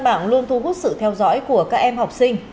bản luôn thu hút sự theo dõi của các em học sinh